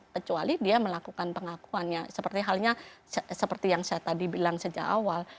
kecuali dia melakukan pengakuannya seperti halnya seperti yang saya tadi bilang sejak awal